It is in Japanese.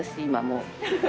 今もう。